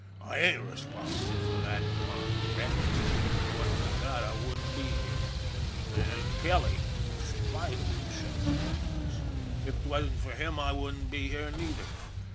/ ain't responsible for that darned wreck if 'twasn't for that I wouldn't be here. An' Kelly, Spider he said his name was, if 'twasn't for him I wouldn't be here neither.